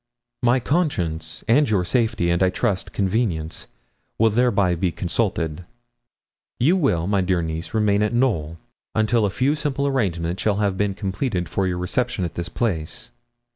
My conscience and your safety, and I trust convenience, will thereby be consulted. You will, my dear niece, remain at Knowl, until a few simple arrangements shall have been completed for your reception at this place.